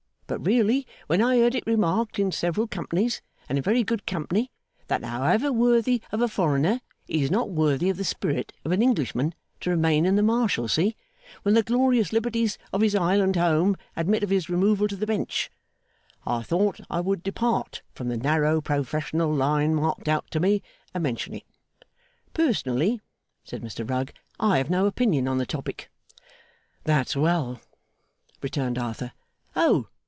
But really, when I hear it remarked in several companies, and in very good company, that however worthy of a foreigner, it is not worthy of the spirit of an Englishman to remain in the Marshalsea when the glorious liberties of his island home admit of his removal to the Bench, I thought I would depart from the narrow professional line marked out to me, and mention it. Personally,' said Mr Rugg, 'I have no opinion on the topic.' 'That's well,' returned Arthur. 'Oh!